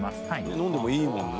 飲んでもいいもんね。